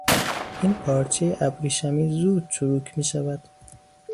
این پارچهی ابریشمی زود چروک میشود.